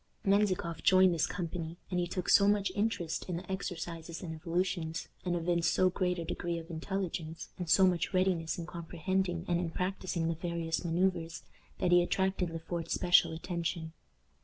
Menzikoff joined this company, and he took so much interest in the exercises and evolutions, and evinced so great a degree of intelligence, and so much readiness in comprehending and in practicing the various manoeuvres, that he attracted Le Fort's special attention.